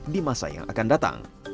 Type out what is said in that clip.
di masa yang akan datang